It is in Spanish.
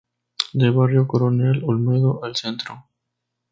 De Barrio Coronel Olmedo al Centro.